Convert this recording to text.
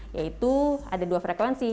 yaitu ada dua frekuensi